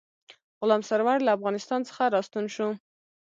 غلام سرور له افغانستان څخه را ستون شو.